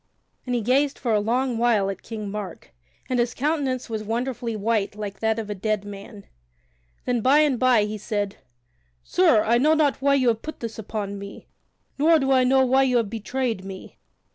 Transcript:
And he gazed for a long while at King Mark, and his countenance was wonderfully white like that of a dead man. Then by and by he said: "Sir, I know not why you have put this upon me, nor do I know why you have betrayed me.